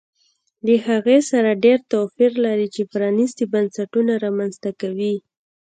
له هغې سره ډېر توپیر لري چې پرانیستي بنسټونه رامنځته کوي